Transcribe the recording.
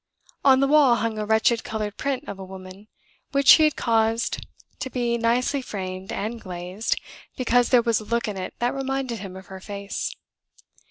On the wall hung a wretched colored print of a woman, which he had caused to be nicely framed and glazed, because there was a look in it that reminded him of her face.